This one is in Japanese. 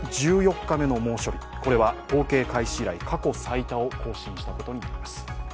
１４日目の猛暑日、これは統計開始以来過去最多を更新したことになります。